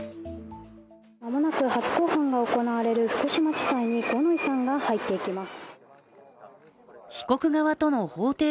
まもなく初公判が行われる福島地裁に五ノ井さんが入っていきます。